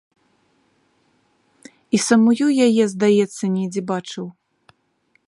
І самую яе, здаецца, недзе бачыў.